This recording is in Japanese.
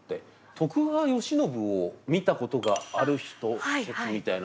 徳川慶喜を見たことがある人説みたいなことやってた。